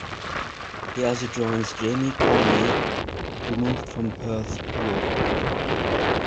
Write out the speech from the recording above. He also joins Jamie Coyne who moved from Perth Glory.